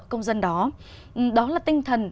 công dân đó đó là tinh thần